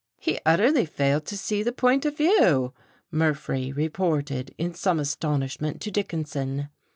"He utterly failed to see the point of view," Murphree reported in some astonishment to Dickinson.